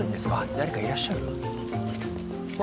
誰かいらっしゃる？